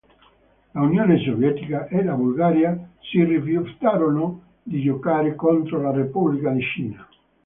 L'Unione Sovietica e la Bulgaria si rifiutarono di giocare contro la Repubblica di Cina.